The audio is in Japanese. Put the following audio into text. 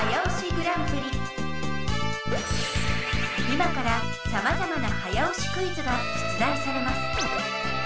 今からさまざまな早押しクイズが出だいされます。